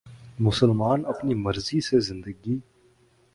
مسلمان اپنی مرضی سے زندگی